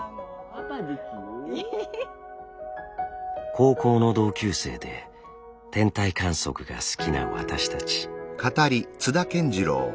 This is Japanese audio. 高校の同級生で天体観測が好きな私たち。